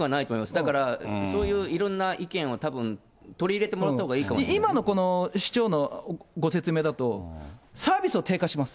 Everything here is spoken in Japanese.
だから、そういういろんな意見をたぶん取り入れてもらったほうがいいかも今のこの市長のご説明だと、サービスを低下します。